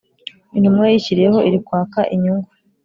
intumwa yishyiriyeho iri kwaka inyungu